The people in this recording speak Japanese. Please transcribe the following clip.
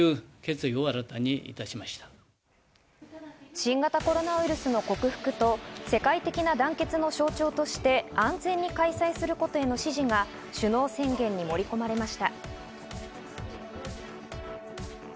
新型コロナウイルスの克服と世界的な団結の象徴として、安全に開催することへの支持が首脳宣言に盛り込まれました。